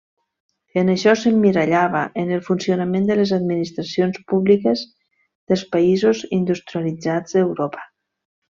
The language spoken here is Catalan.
En això s'emmirallava en el funcionament de les administracions públiques dels països industrialitzats d'Europa.